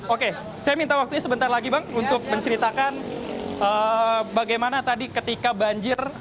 oke saya minta waktunya sebentar lagi bang untuk menceritakan bagaimana tadi ketika banjir